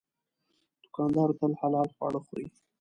دوکاندار تل حلال خواړه خوري.